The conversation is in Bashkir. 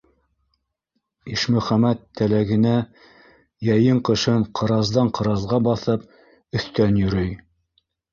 Ишмөхәмәт тәләгенә йәйен- ҡышын ҡыраздан-ҡыразға баҫып, өҫтән йөрөй.